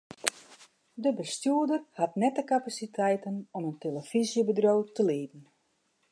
De bestjoerder hat net de kapasiteiten om in telefyzjebedriuw te lieden.